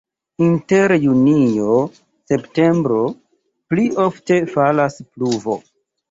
Inter junio-septembro pli ofte falas pluvo.